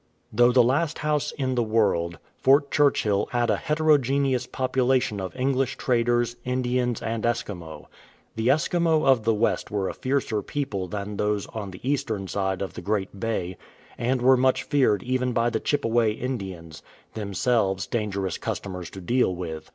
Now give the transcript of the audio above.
Though the last house in the world, Fort Churchill had a heterogeneous population of English traders, Indians, and Eskimo. The Eskimo of the west were a fiercer people than those on the eastern side of the great bay, and were much feared even by the Chippeway Indians — themselves dangerous customers to deal with.